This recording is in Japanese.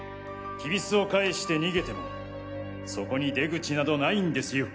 踵を返して逃げてもそこに出口など無いんですよ。